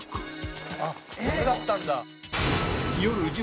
「あっダメだったんだ」